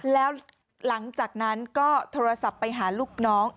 แล้วหลังจากนั้นก็โทรศัพท์ไปหาลูกน้อง